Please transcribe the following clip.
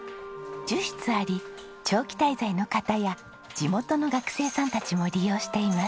１０室あり長期滞在の方や地元の学生さんたちも利用しています。